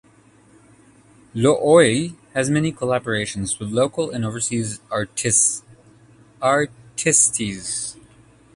Looi has many collaboration with local and overseas artistes.